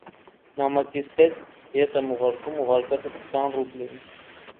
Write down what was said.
Նամակիս հետ ետ եմ ուղարկում ուղարկածդ քսան ռուբլին: